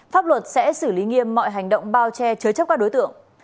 pháp luật sẽ xử lý nghiêm mọi hành động bao che chứa chấp các đối tượng